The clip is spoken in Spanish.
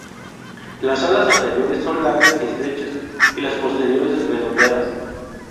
Las alas anteriores son largas y estrechas y las posteriores redondeadas.